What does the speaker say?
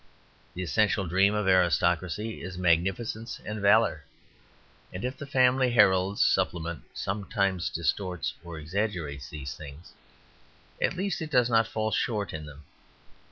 The essential dream of aristocracy is magnificence and valour; and if the Family Herald Supplement sometimes distorts or exaggerates these things, at least, it does not fall short in them.